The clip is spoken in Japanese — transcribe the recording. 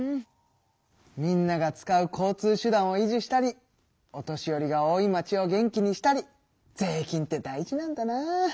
みんなが使う交通手段を維持したりお年寄りが多い町を元気にしたり税金って大事なんだな！